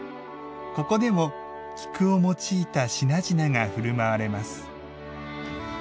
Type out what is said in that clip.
ここでも、菊を用いた品々がふるまわれます。